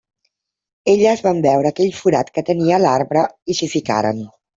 Elles van veure aquell forat que tenia l'arbre i s'hi ficaren.